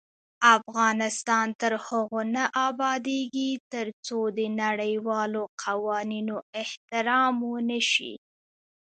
افغانستان تر هغو نه ابادیږي، ترڅو د نړیوالو قوانینو احترام ونشي.